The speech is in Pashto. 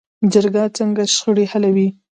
جرګه څنګه شخړې حلوي؟